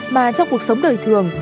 mà trong cuộc sống đời thường